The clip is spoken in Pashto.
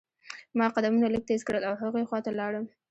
ما قدمونه لږ تیز کړل او هغوی خوا ته لاړم.